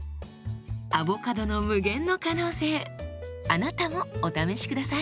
アボカドの無限の可能性あなたもお試し下さい。